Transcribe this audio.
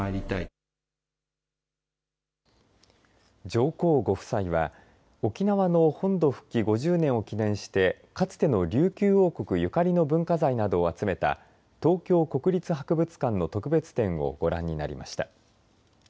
上皇ご夫妻は沖縄の本土復帰５０年を記念してかつての琉球王国ゆかりの文化財などを集めた東京国立博物館の特別展をご覧になりました。